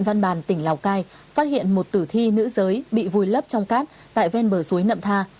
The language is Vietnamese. công an đã phát hiện một tử thi nữ giới bị vùi lấp trong cát tại ven bờ suối nậm tha